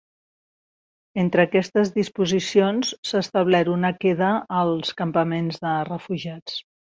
Entre aquestes disposicions, s’ha establert una queda als campaments de refugiats.